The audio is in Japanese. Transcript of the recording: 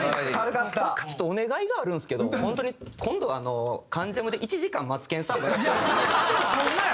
ちょっとお願いがあるんですけど本当に今度『関ジャム』で１時間『マツケンサンバ』やって。